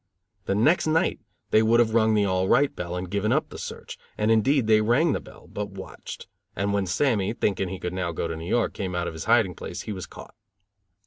The next night they would have rung the "all right" bell, and given up the search, and indeed, they rang the bell, but watched; and when Sammy, thinking he could now go to New York, came out of his hiding place, he was caught.